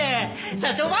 社長は？